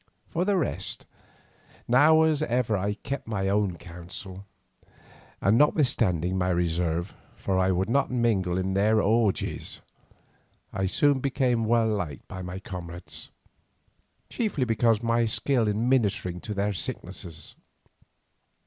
For the rest, now as ever I kept my own counsel, and notwithstanding my reserve, for I would not mingle in their orgies, I soon became well liked by my comrades, chiefly because of my skill in ministering to their sicknesses.